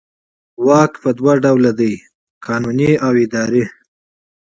صلاحیت په دوه ډوله دی قانوني او اداري.